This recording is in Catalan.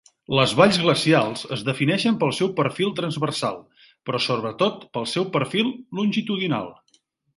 Les valls glacials es defineixen pel seu perfil transversal, però sobretot pel seu perfil longitudinal.